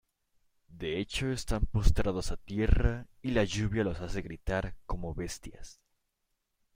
De hecho están postrados a tierra y la lluvia los hace gritar "como bestias".